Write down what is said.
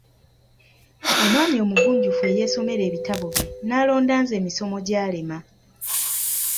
Omwami omugunjufu eyeesomera ebitabo bye n'alonda nze misomogyalema!